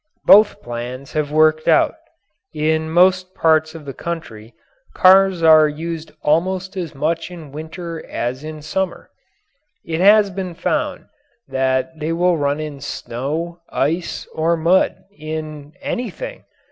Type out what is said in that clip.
Both plans have worked out; in most parts of the country cars are used almost as much in winter as in summer. It has been found that they will run in snow, ice, or mud in anything.